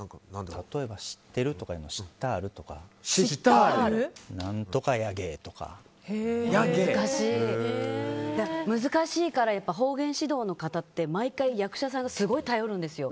例えば、知ってるとかでも知ったる？とか難しいから方言指導の方って毎回、役者さんがすごい頼るんですよ。